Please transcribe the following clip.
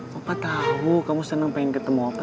rafa tahu kamu senang pengen ketemu rafa